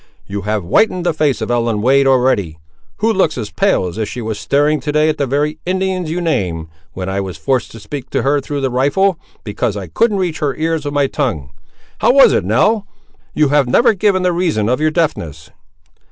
You have whitened the face of Ellen Wade, already; who looks as pale as if she was staring to day at the very Indians you name, when I was forced to speak to her through the rifle, because I couldn't reach her ears with my tongue. How was it, Nell! you have never given the reason of your deafness?"